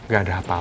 gak ada apa apa